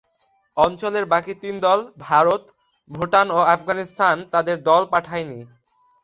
অঞ্চলের বাকি তিন দল ভারত, ভুটান ও আফগানিস্তান তাদের দল পাঠায় নি।